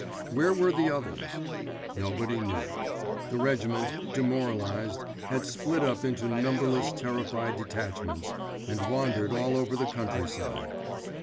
Where were the others? Nobody knew. The regiment, demoralized, had split up into numberless terrified detachments, and wandered all over the countryside.